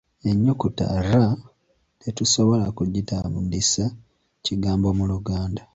Ennyukuta r tetusobola kugitandisa kigambo mu Luganda.